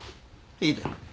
いいだろう。